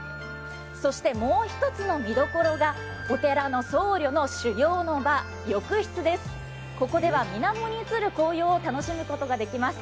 そして、もう一つの見どころがお寺の僧侶の修行の場、浴室です。